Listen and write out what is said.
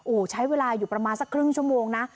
โอ้โหใช้เวลาอยู่ประมาณสักครึ่งชั่วโมงนะ